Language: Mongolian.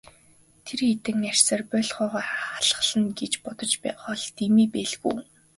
Тэр хэдэн арьсаар боольхойгоо халхална гэж бодож байгаа бол дэмий байлгүй.